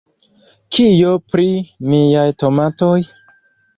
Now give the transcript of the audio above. Kio pri niaj tomatoj?